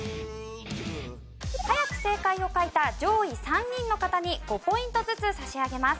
早く正解を書いた上位３人の方に５ポイントずつ差し上げます。